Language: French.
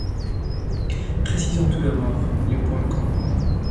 Précisons tout d'abord les points communs.